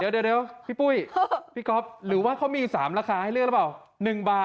เดี๋ยวพี่ปุ้ยพี่ก๊อฟหรือว่าเขามี๓ราคาให้เลือกหรือเปล่า